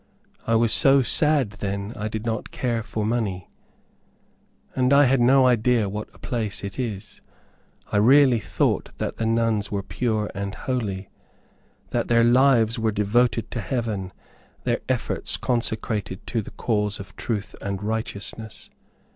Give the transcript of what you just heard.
I was so sad then I did not care for money, and I had no idea what a place it is. I really thought that the nuns were pure and holy that their lives were devoted to heaven, their efforts consecrated to the cause of truth and righteousness.